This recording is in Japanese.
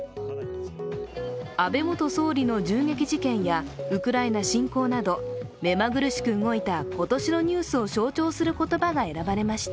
安倍元総理の銃撃事件や、ウクライナ侵攻など、めまぐるしく動いた今年のニュースを象徴する言葉が選ばれました。